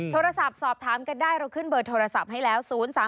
โทรศัพท์สอบถามกันได้เราขึ้นเบอร์โทรศัพท์ให้แล้ว